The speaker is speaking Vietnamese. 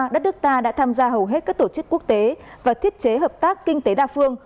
đất nước ta đã tham gia hầu hết các tổ chức quốc tế và thiết chế hợp tác kinh tế đa phương